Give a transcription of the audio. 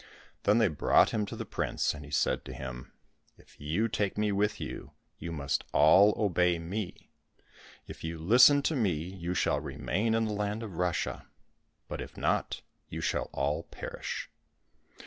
Then they brought him to the prince, and he said to him, " If you take me with you, you must all obey me. If you listen to me, you shall remain in the land of Russia ; but if not, you shall all perish."